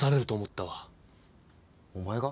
お前が？